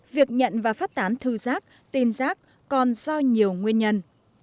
việc nhận và phát tán thư giác tin giác còn do nhiều nguyên nhân